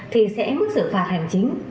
thì sẽ mức xử phạt hành chính